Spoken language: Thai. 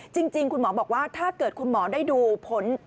จริงคุณหมอบอกว่าถ้าเกิดคุณหมอได้ดูผล